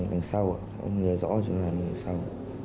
ở đằng sau ạ ông nhớ rõ chúng ta ở đằng sau